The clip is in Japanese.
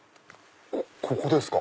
ここですか？